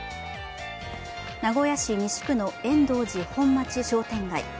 名古屋市西区の円頓寺本町商店街。